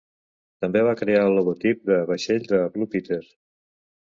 També va crear el logotip de vaixell de Blue Peter.